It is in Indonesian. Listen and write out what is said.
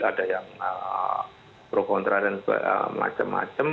ada yang pro kontra dan macam macam